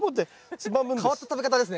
変わった食べ方ですね。